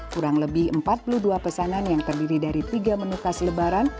kurang lebih empat puluh dua pesanan yang terdiri dari tiga menu khas lebaran